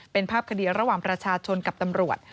เป็นภาพคดีระหว่างประชาชนกับตำรวจ